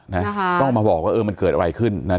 นะคะต้องมาบอกว่าเออมันเกิดอะไรขึ้นนะฮะ